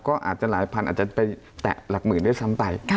ก็อาจจะหลายพันอาจจะไปแตะหลักหมื่นด้วยซ้ำไป